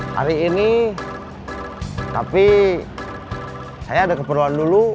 hari ini tapi saya ada keperluan dulu